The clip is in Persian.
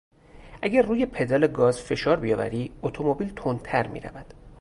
اگر روی پدال گاز فشار بیاوری اتومبیل تندتر میرود.